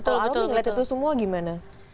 kalau arumi ngeliat itu semua gimana